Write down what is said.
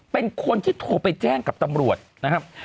เป็นคนที่โทรไปแจ้งกับตำรวจนะครับ